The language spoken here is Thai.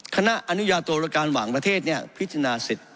คณะอนุญาโตรการระหว่างประเทศพิจารณาเสร็จ